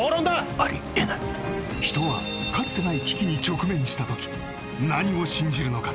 あり得ない人はかつてない危機に直面したとき何を信じるのか？